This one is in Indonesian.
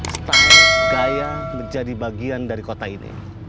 start gaya menjadi bagian dari kota ini